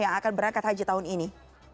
yang akan berangkat haji tahun ini